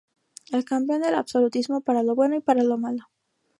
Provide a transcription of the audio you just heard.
El campeón del absolutismo, para lo bueno y para lo malo.